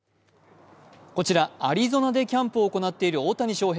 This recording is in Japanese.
こちらアリゾナでキャンプを行っている大谷翔平。